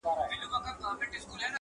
علم وویل زما ډیر دي آدرسونه!.